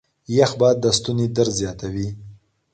يخ باد د ستوني درد زياتوي.